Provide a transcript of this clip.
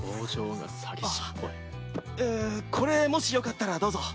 あっええこれもしよかったらどうぞ。